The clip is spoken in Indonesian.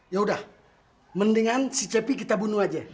yaudah mendingan si cepi kita bunuh aja